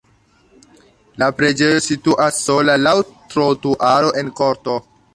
La preĝejo situas sola laŭ trotuaro en korto.